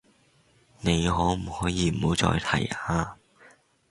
你可唔可以唔好再提呀